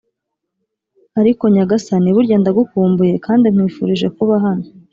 ariko nyagasani, burya ndagukumbuye kandi nkwifurije kuba hano.